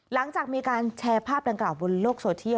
หลังจากมีการแชร์ภาพดังกล่าวบนโลกโซเทียล